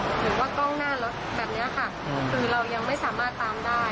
หรือว่ากล้องหน้ารถแบบนี้ค่ะคือเรายังไม่สามารถตามได้